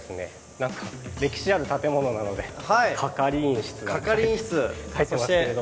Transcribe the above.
何か歴史ある建物なので「係員室」と書いてますけれども。